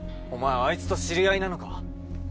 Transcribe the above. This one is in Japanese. あいつと知り合いなのか？